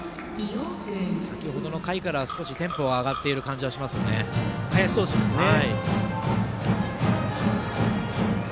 先ほどの回から少しテンポが上がっている林投手ですね。